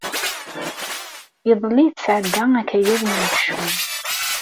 Iḍelli i tesɛedda akayad n unekcum.